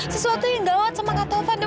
sesuatu yang gawat sama kak taufan dok